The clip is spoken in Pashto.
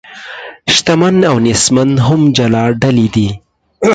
شتمن او نیستمن هم جلا ډلې دي.